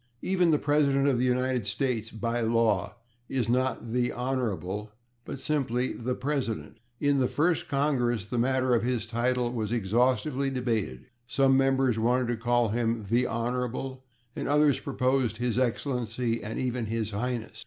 Even the President of the United States, by law, is not /the Honorable/, but simply /the President/. In the First Congress the matter of his title was exhaustively debated; some members wanted to call him /the Honorable/ and others proposed /His Excellency/ and even /His Highness